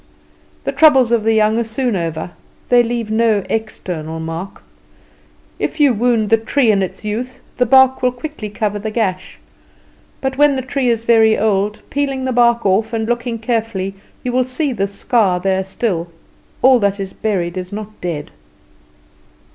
The troubles of the young are soon over; they leave no external mark. If you wound the tree in its youth the bark will quickly cover the gash; but when the tree is very old, peeling the bark off, and looking carefully, you will see the scar there still. All that is buried is not dead.